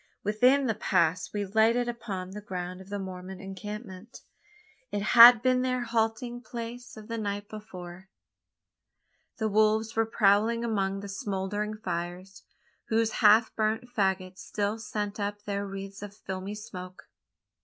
Within the pass we lighted upon the ground of the Mormon encampment. It had been their halting place of the night before. The wolves were prowling among the smouldering fires whose half burnt faggots still sent up their wreaths of filmy smoke.